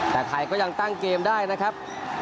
แต่ไทยก็ยังตั้งเกมได้นะครับ